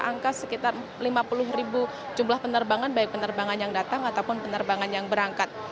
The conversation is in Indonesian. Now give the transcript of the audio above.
angka sekitar lima puluh ribu jumlah penerbangan baik penerbangan yang datang ataupun penerbangan yang berangkat